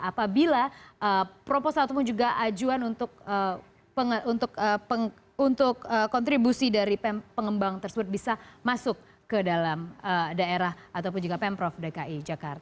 apabila proposal ataupun juga ajuan untuk kontribusi dari pengembang tersebut bisa masuk ke dalam daerah ataupun juga pemprov dki jakarta